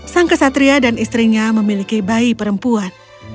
sang kesatria dan istrinya memiliki bayi perempuan